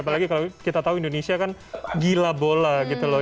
apalagi kalau kita tahu indonesia kan gila bola gitu loh